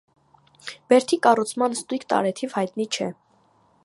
Բերդի կառուցման ստույգ տարեթիվ հայտնի չէ։